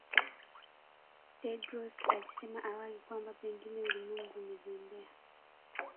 Tedros alisema awali kwamba pengine ulimwengu umezembea